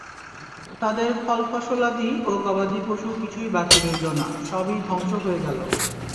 তাদের ফল-ফসলাদি ও গবাদি পশু কিছুই বাকি রইলো না, সবই ধ্বংস হয়ে গেল।